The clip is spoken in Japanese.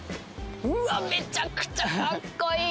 うわっめちゃくちゃかっこいい！